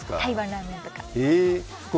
台湾ラーメンとか。